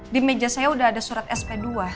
di meja saya sudah ada surat sp dua